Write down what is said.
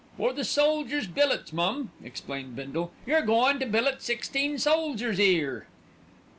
"For the soldiers' billets, mum," explained Bindle. "You're goin' to billet sixteen soldiers 'ere."